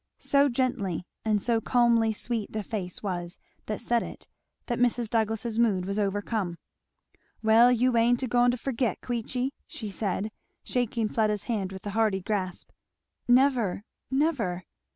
So gently, and so calmly sweet the face was that said it that Mrs. Douglass's mood was overcome. "Well you ain't agoing to forget Queechy?" she said, shaking Fleda's hand with a hearty grasp. "Never never!"